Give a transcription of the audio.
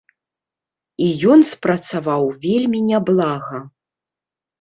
І ён спрацаваў вельмі няблага.